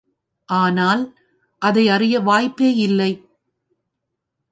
ஆனால், அதை அறிய வாய்ப்பே இல்லை!